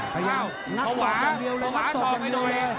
เขาหวาส่องไปหน่อย